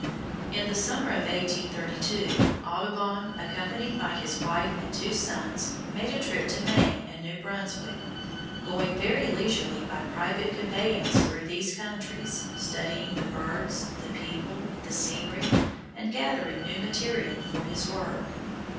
In the summer of 1832, Audubon, accompanied by his wife and two sons, made a trip to Maine and New Brunswick, going very leisurely by private conveyance through these countries, studying the birds, the people, the scenery, and gathering new material for his work.